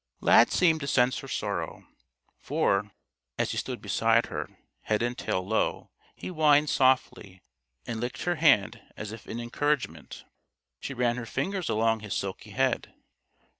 Lad seemed to sense her sorrow. For, as he stood beside her, head and tail low, he whined softly and licked her hand as if in encouragement. She ran her fingers along his silky head.